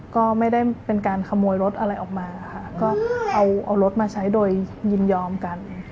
ก็ไม่ได้เป็นการขโมยรถอะไรออกมาค่ะก็เอารถมาใช้โดยยินยอมกัน